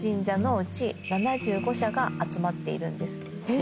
え！